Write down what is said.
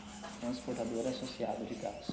Transportadora Associada de Gás